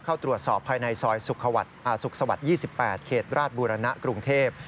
เข้าตรวจสอบภายในซอยสุขสวรรค์๒๘เขตราชบูรณะกรุงเทพ